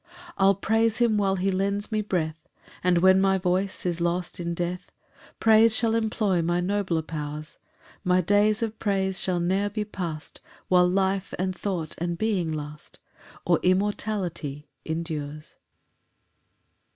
6 I'll praise him while he lends me breath, And when my voice is lost in death Praise shall employ my nobler powers: My days of praise shall ne'er be past While life and thought and being last, Or immortality endures.